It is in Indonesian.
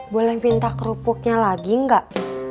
boleh minta kerupuknya lagi nggak